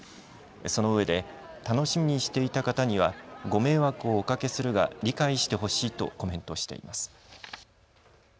そのうえで楽しみにしていた方にはご迷惑をおかけするが理解ほしいとコメントしています。